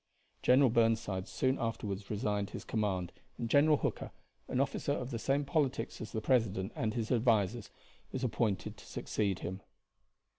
General Burnside soon afterward resigned his command, and General Hooker, an officer of the same politics as the president and his advisers, was appointed to succeed him.